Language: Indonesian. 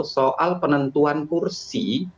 soal penentuan kursi